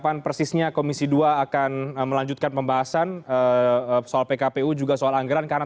anggaran bagi pelaksanaan